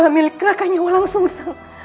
kepala milik rakanya walang sungsang